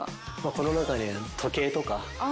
この中に時計とか。